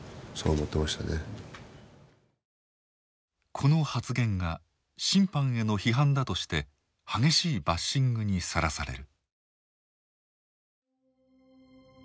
この発言が審判への批判だとして激しいバッシングにさらされる。